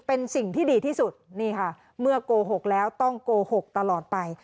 เป็นสิ่งที่ดีที่สุดนี่ค่ะเมื่อโกหกแล้วต้องโกหกตลอดไป